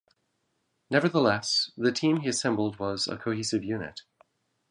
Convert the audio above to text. Nevertheless, the team he assembled was a cohesive unit.